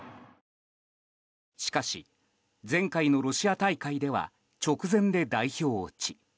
しかし、前回のロシア大会では直前で代表落ち。